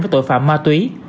với tội phạm ma túy